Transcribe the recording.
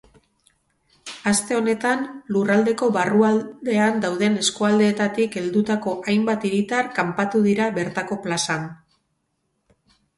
Aste honetan lurraldeko barrualdean dauden eskualdeetatik heldutako hainbat hiritar kanpatu dira bertako plazan.